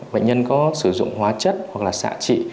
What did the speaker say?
bệnh nhân có sử dụng hóa chất hoặc là xạ trị